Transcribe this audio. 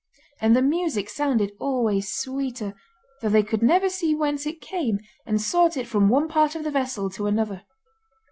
And the music sounded always sweeter, though they could never see whence it came, and sought it from one part of the vessel to another.